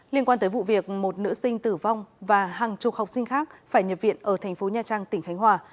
liên quan tới vụ việc một nữ sinh tử vong và hàng chục học sinh khác phải nhập viện ở thành phố nha trang tỉnh khánh hòa